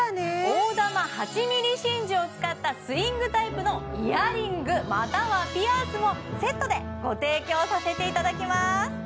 大珠８ｍｍ真珠を使ったスイングタイプのイヤリングまたはピアスもセットでご提供させていただきます